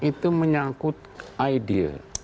itu menyangkut idea